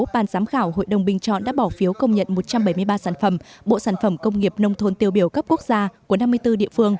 ban giám khảo hội đồng bình chọn đã bỏ phiếu công nhận một trăm bảy mươi ba sản phẩm bộ sản phẩm công nghiệp nông thôn tiêu biểu cấp quốc gia của năm mươi bốn địa phương